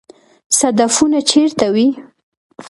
صدفونه چیرته وي؟